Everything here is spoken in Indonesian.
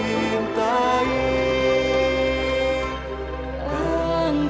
engkau ku hargai